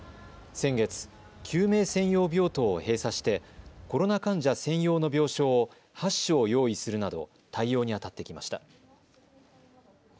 先月、救命専用病棟を閉鎖してコロナ患者専用の病床を８床用意するなど対応にあたってきました。